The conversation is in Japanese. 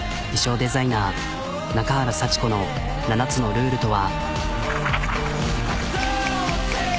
デザイナー中原幸子の７つのルールとは。